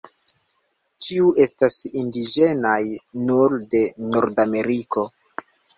Ĉiu estas indiĝenaj nur de Nordameriko.